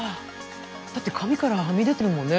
だって紙からはみ出てるもんね